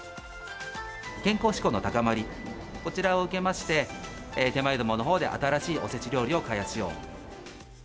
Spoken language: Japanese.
健康志向の高まり、こちらを受けまして、手前どものほうで新しいおせち料理を開発しようと。